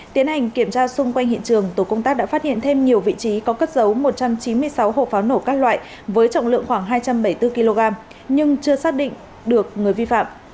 tiến hành kiểm tra xung quanh hiện trường tổ công tác đã phát hiện thêm nhiều vị trí có cất giấu một trăm chín mươi sáu hộp pháo nổ các loại với trọng lượng khoảng hai trăm bảy mươi bốn kg nhưng chưa xác định được người vi phạm